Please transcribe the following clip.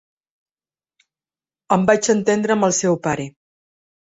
Em vaig entendre amb el seu pare.